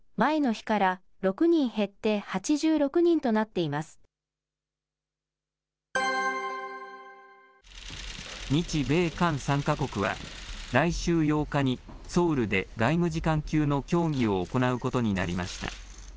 日米韓３か国は、来週８日にソウルで外務次官級の協議を行うことになりました。